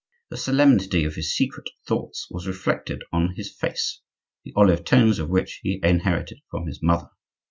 The solemnity of his secret thoughts was reflected on his face, the olive tones of which he inherited from his mother.